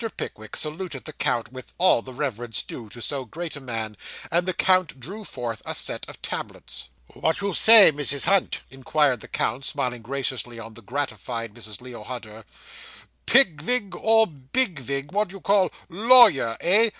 Pickwick saluted the count with all the reverence due to so great a man, and the count drew forth a set of tablets. 'What you say, Mrs. Hunt?' inquired the count, smiling graciously on the gratified Mrs. Leo Hunter, 'Pig Vig or Big Vig what you call lawyer eh?